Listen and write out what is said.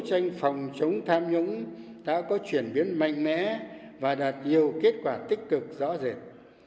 tranh phòng chống tham nhũng đã có chuyển biến mạnh mẽ và đạt nhiều kết quả tích cực rõ rệt